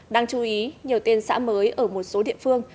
đáng chú ý nhiều tên xã mới ở một số địa phương